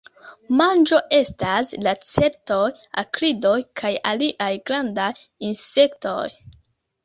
Manĝo estas lacertoj, akridoj kaj aliaj grandaj insektoj.